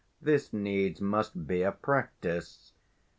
This needs must be a practice.